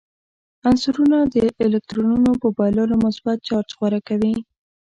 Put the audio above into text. عنصرونه د الکترونونو په بایللو مثبت چارج غوره کوي.